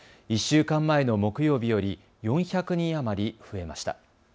１週間前の木曜日より４００人余り増えました。